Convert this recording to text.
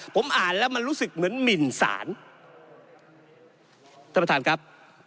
ผมอ่านแล้วมันรู้สึกเหมือนหมินสารท่านประธานครับ